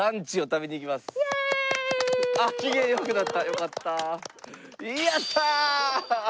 よかった。